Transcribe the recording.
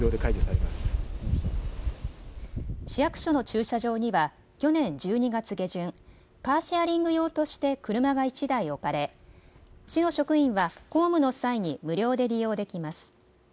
市役所の駐車場には去年１２月下旬、カーシェアリング用として車が１台置かれ市の職員は公務の際に無料で利用できます。